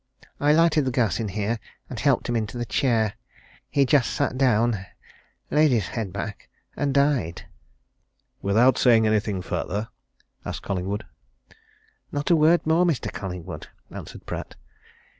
I lighted the gas in here, and helped him into the chair. He just sat down, laid his head back, and died." "Without saying anything further?" asked Collingwood. "Not a word more, Mr. Collingwood," answered Pratt.